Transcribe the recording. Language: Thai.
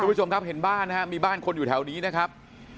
ผู้ชมครับเห็นบ้านนะครับมีบ้านคนอยู่แถวนี้นะครับ